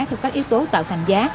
theo các yếu tố tạo thành giá